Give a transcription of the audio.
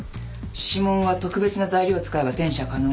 指紋は特別な材料を使えば転写可能よ。